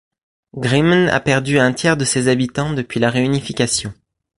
Grimmen a perdu un tiers de ses habitants depuis la réunification.